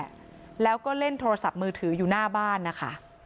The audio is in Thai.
นั่งอยู่บนแคร่แล้วก็เล่นโทรศัพท์มือถืออยู่หน้าบ้านนะคะ